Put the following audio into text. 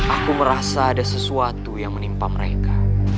aku merasa ada sesuatu yang menimpa mereka